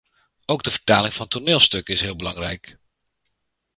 Ook de vertaling van toneelstukken is heel belangrijk.